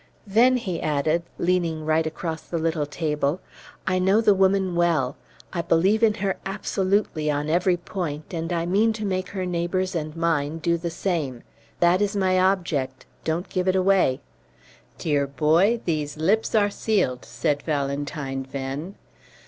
Venn," he added, leaning right across the little table, "I know the woman well! I believe in her absolutely, on every point, and I mean to make her neighbors and mine do the same. That is my object don't give it away!" "Dear boy, these lips are sealed," said Valentine Venn.